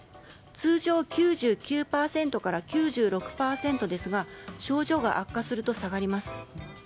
通常９９％から９６％ですが症状が悪化すると下がります。